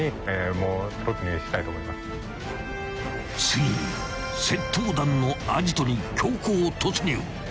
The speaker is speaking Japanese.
［ついに窃盗団のアジトに強行突入！］